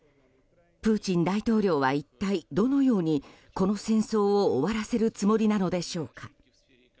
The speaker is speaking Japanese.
プーチン大統領は一体どのようにこの戦争を終わらせるつもりなのでしょうか。